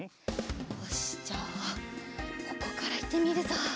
よしじゃあここからいってみるぞ。